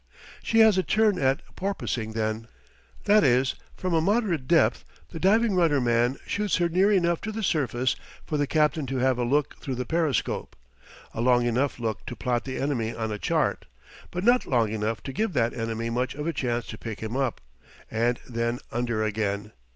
She has a turn at porpoising then; that is from a moderate depth the diving rudder man shoots her near enough to the surface for the captain to have a look through the periscope a long enough look to plot the enemy on a chart, but not long enough to give that enemy much of a chance to pick him up; and then under again.